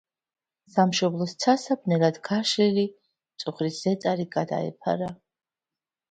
სამშობლოს ცასა ბნელად გაშლილი მწუხრის ზეწარი გადაეფარა.